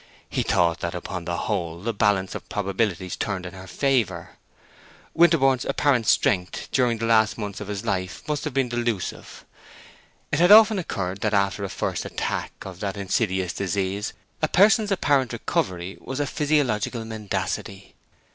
He thought that upon the whole the balance of probabilities turned in her favor. Winterborne's apparent strength, during the last months of his life, must have been delusive. It had often occurred that after a first attack of that insidious disease a person's apparent recovery was a physiological mendacity.